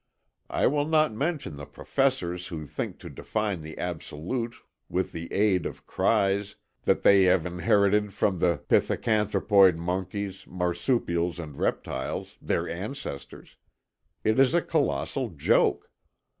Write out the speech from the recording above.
I will not mention the professors who think to define the absolute with the aid of cries that they have inherited from the pithecanthropoid monkeys, marsupials, and reptiles, their ancestors! It is a colossal joke!